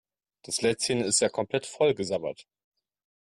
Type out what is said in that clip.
Das Lätzchen ist ja komplett vollgesabbert.